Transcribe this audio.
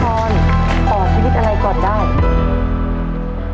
แม่พรออกชีวิตอะไรก่อนได้